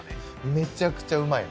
めちゃくちゃうまい。